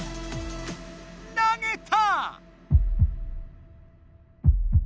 投げた！